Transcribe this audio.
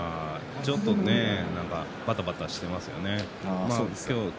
ちょっとばたばたしてましたね。